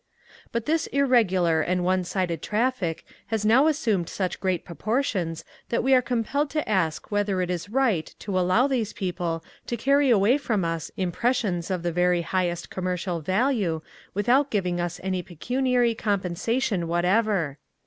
But this irregular and one sided traffic has now assumed such great proportions that we are compelled to ask whether it is right to allow these people to carry away from us impressions of the very highest commercial value without giving us any pecuniary compensation whatever.